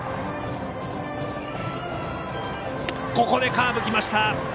ここでカーブがきました！